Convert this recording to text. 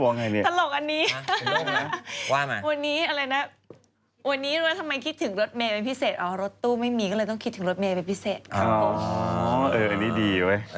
วันนี้ทำไมคิดถึงรถเมย์ไปพิเศษ